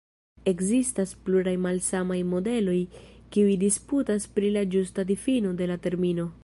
Ekzistas pluraj malsamaj modeloj kiuj disputas pri la ĝusta difino de la termino.